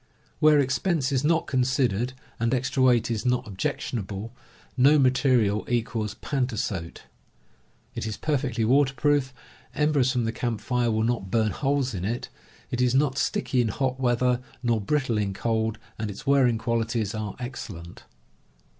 Where expense is not considered, and extra weight is not objectionable, no material equals pantasote. It f ^^ perfectly waterproof, embers from the a erproo camp fire will not burn holes in it, it is not sticky in hot weather nor brittle in cold, and its wearing qualities are excellent.